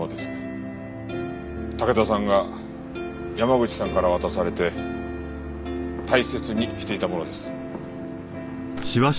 武田さんが山口さんから渡されて大切にしていたものです。